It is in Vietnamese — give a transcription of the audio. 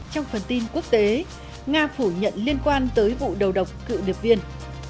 trong phần tin quốc tế nga phủ nhận liên quan tới vụ đầu độc cựu điệp viên